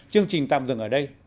chương trình tạm dừng ở đây